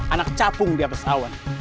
anak capung di atas awan